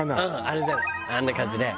あんな感じだね。